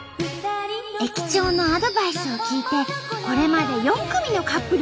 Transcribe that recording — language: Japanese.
駅長のアドバイスを聞いてこれまで４組のカップルが結婚したんだって。